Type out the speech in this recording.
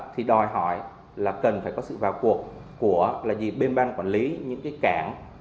thì đòi hỏi là cần phải có sự vào cuộc của là gì bên ban quản lý những cái cảng